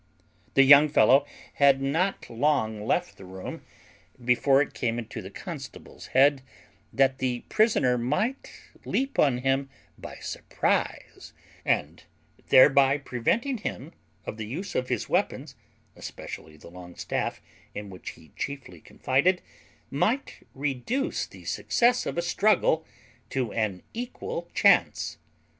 The young fellow had not long left the room before it came into the constable's head that the prisoner might leap on him by surprize, and, thereby preventing him of the use of his weapons, especially the long staff in which he chiefly confided, might reduce the success of a struggle to a equal chance.